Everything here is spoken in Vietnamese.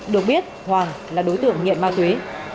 được biết hoàng là đối tượng nghiện ma tuế